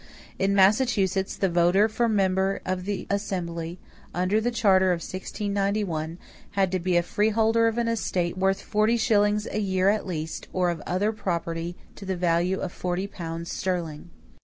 In Massachusetts, the voter for member of the assembly under the charter of 1691 had to be a freeholder of an estate worth forty shillings a year at least or of other property to the value of forty pounds sterling.